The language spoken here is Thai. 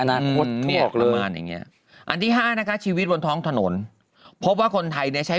อนาคตประมาณอย่างนี้อันที่๕นะคะชีวิตบนท้องถนนพบว่าคนไทยใช้